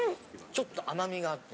ちょっと甘みがあって。